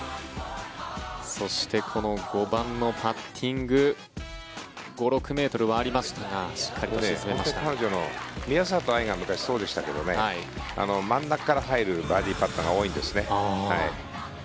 そしてこの５番のパッティング５６ｍはありましたが宮里藍がそうでしたけど真ん中から入るバーディーパットが多いんですね。